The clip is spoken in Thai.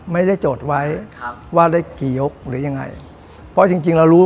ไม่ได้จดไว้ครับว่าได้กี่ยกหรือยังไงเพราะจริงจริงเรารู้